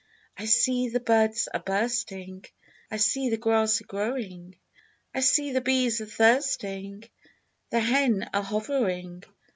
I see the buds a bursting, I see the grass a growing, I see the bees a thirsting, The hen a hovering.